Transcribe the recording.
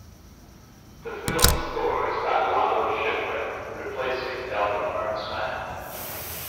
The film score is by Lalo Schifrin, replacing Elmer Bernstein.